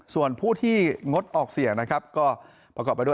ส่วนผู้ที่งดออกเสียงนะครับก็ประกอบไปด้วย